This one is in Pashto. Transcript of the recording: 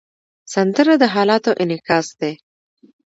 سندره د حالاتو انعکاس دی